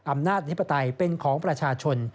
อำนาจประชาชนเป็นของประชาชน